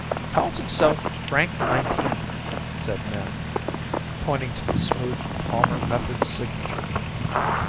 "Calls himself Frank Nineteen," said Min, pointing to the smooth Palmer Method signature.